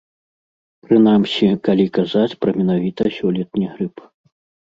Прынамсі, калі казаць пра менавіта сёлетні грып.